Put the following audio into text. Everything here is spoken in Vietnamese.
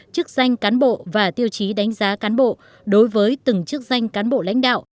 chức danh cán bộ và tiêu chí đánh giá cán bộ đối với từng chức danh cán bộ lãnh đạo